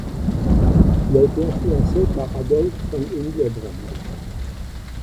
Il a été influencé par Adolf von Hildebrand.